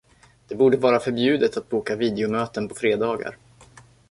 Det borde vara förbjudet att boka videomöten på fredagar.